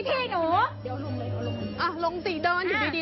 ทำอะไรแล้วพี่ทำอะไร